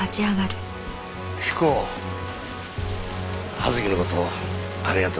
葉月の事ありがとな。